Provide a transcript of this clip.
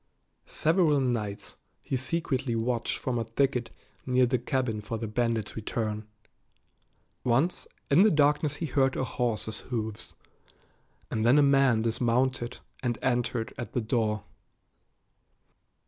Several nights he secretly watched from a thicket near the cabin for the bandit's return. Once in the darkness he heard a horse's hoofs, and then a man dismounted and entered at the door.